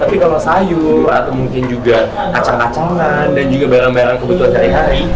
tapi kalau sayur atau mungkin juga kacang kacangan dan juga barang barang kebutuhan sehari hari